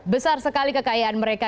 besar sekali kekayaan mereka